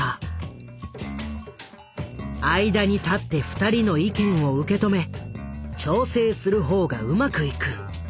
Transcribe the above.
間に立って２人の意見を受け止め調整する方がうまくいく。